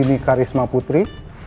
dini karisma putri